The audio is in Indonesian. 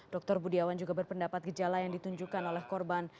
dr budiawan juga berpendapat gejala yang ditunjukkan oleh korban